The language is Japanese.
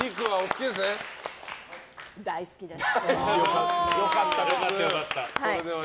大好きです！